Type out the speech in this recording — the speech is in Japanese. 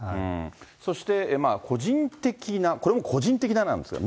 そして、個人的な、これも個人的ななんですが。